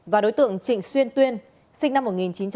và đối tượng trịnh xuyên tuyên sinh năm một nghìn chín trăm sáu mươi ba